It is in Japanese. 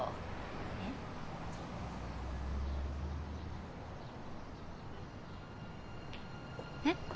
えっ？えっ？